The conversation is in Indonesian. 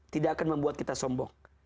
tidak akan membuat kita sombong